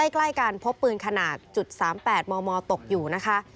ใกล้กันพบปืนขนาด๓๘มมตกอยู่นะคะ